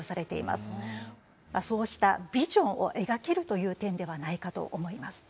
そうしたビジョンを描けるという点ではないかと思います。